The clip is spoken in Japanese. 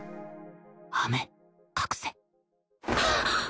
アメ隠せ。